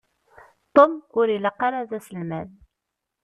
Tom ur ilaq ara d aselmad.